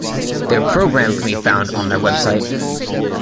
Their program can be found on their website.